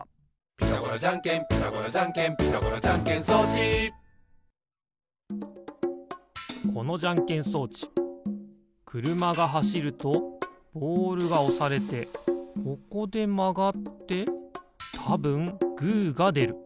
「ピタゴラじゃんけんピタゴラじゃんけん」「ピタゴラじゃんけん装置」このじゃんけん装置くるまがはしるとボールがおされてここでまがってたぶんグーがでる。